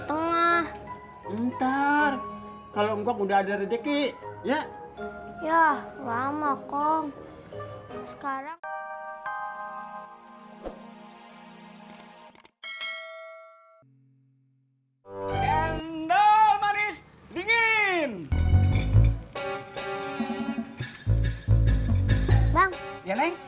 rumah ntar kalau udah ada rezeki ya ya lama kong sekarang bingin bang yang